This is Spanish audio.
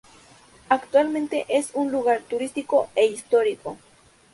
Actualmente es un lugar turístico e histórico.